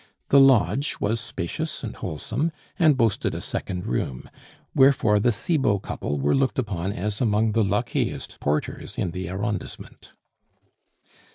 The lodge was spacious and wholesome, and boasted a second room; wherefore the Cibot couple were looked upon as among the luckiest porters in the arrondissement.